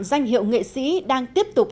danh hiệu nghệ sĩ đang tiếp tục